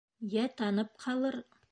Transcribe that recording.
Йә танып ҡалыр.